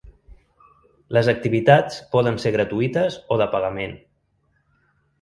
Les activitats poden ser gratuïtes o de pagament.